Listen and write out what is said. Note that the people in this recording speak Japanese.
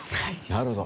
なるほど。